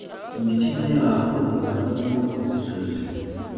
imitima yabo iba irimo ubusazi